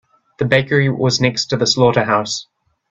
The bakery was next to the slaughterhouse.